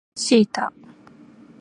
シータ